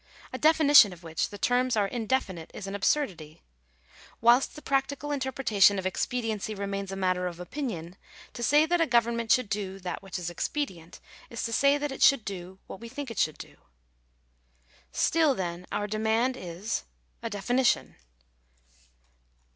A definition of which the terms are indefinite is an absurdity. Whilst the practical interpreta tion of "expediency" remains a matter of opinion, to say that a government should do that which is " expedient," is to say that it should do, what we think it should do ! Still then our demand is — a definition.